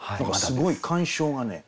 すごい鑑賞がね